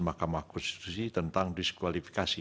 makam akun institusi tentang disqualifikasi